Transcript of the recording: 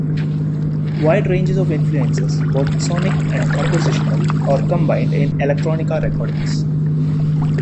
Wide ranges of influences, both sonic and compositional, are combined in electronica recordings.